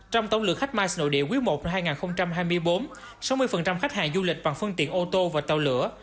trong tổng lượng khách mice nội địa quý i năm hai nghìn hai mươi bốn sáu mươi khách hàng du lịch bằng phương tiện ô tô và tàu lửa